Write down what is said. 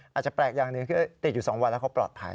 อาจจะแปลกอย่างหนึ่งคือติดอยู่๒วันแล้วเขาปลอดภัย